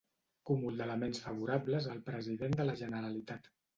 Cúmul d'elements favorables al president de la Generalitat.